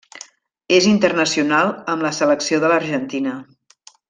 És internacional amb la selecció de l'Argentina.